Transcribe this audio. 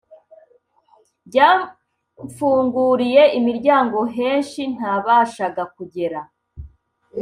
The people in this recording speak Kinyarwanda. byamfunguriye imiryango henshi ntabashaga kugera